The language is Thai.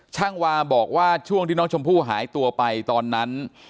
ช่างวาบอกว่าช่วงที่น้องชมพู่หายตัวไปตอนนั้น